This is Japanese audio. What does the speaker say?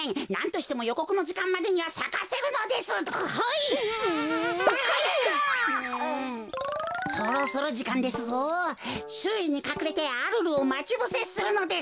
しゅういにかくれてアルルをまちぶせするのです。